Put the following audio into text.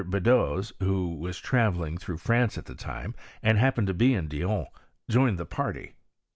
Beddoes, who was travelling through France at the time, and happened to be in Dijon^ joined the party.